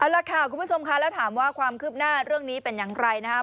เอาล่ะค่ะคุณผู้ชมค่ะแล้วถามว่าความคืบหน้าเรื่องนี้เป็นอย่างไรนะครับ